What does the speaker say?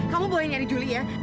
kamu boleh nyari juli ya